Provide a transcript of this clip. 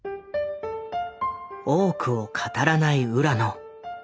多くを語らない浦野。